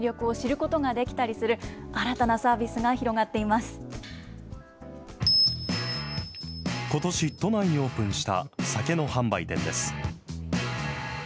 ことし都内にオープンした酒の販売店です。